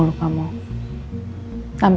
atau harga new york garde